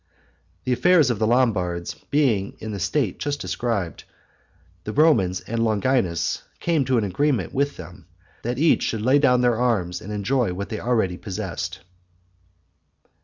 The affairs of the Lombards being in the state just described, the Romans and Longinus came to an agreement with them, that each should lay down their arms and enjoy what they already possessed.